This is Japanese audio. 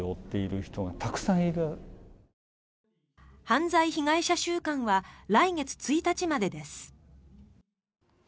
犯罪被害者週間は来月１日までです。